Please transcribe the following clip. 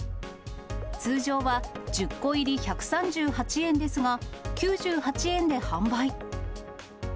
通常は１０個入り１３８円ですが、９８円で販売。